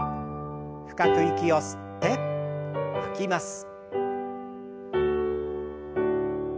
深く息を吸って吐きます。